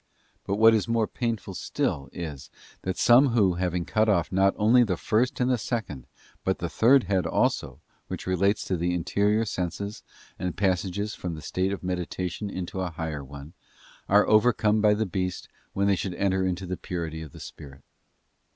But what is more painful still is, that some who, having cut off not only the first and second, but the third head also, which relates to the interior senses and the passage from the state of meditation into a higher one, are overcome by the beast, when 'they should enter into the purity of the spirit.